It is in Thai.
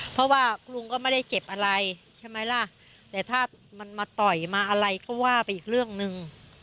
เพราะว่าลุงก็ไม่ได้เจ็บอะไรใช่ไหมล่ะแต่ถ้ามันมาต่อยมาอะไรก็ว่าไปอีกเรื่องหนึ่ง